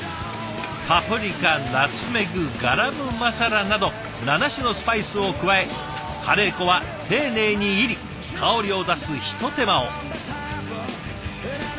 パプリカナツメグガラムマサラなど７種のスパイスを加えカレー粉は丁寧に煎り香りを出すひと手間を。